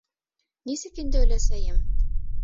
— Нисек инде өләсәйем?